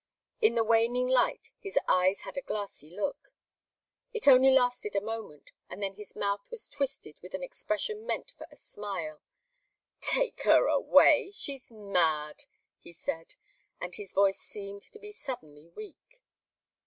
In the waning light his eyes had a glassy look. It only lasted a moment, and then his mouth was twisted with an expression meant for a smile. "Take her away she's mad," he said, and his voice seemed to be suddenly weak.